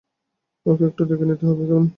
ওকে একটু দেখে নিতে দেবে, কেমন?